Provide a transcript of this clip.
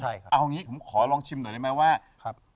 เอาอย่างนี้ผมขอลองชิมหน่อยได้ไหมว่า